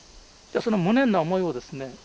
その無念な思いをですね